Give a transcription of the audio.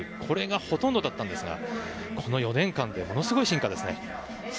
これがほとんどだったんですがこの４年間でものすごい進化ですね。